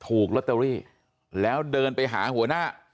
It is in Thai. ถูกลอตเตอรี่แล้วเดินไปหาหัวหน้า